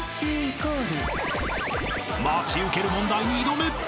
［待ち受ける問題に挑め！］